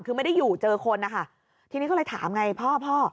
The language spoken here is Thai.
คือไม่ได้อยู่เจอคนนะคะทีนี้ก็เลยถามไงพ่อพ่อ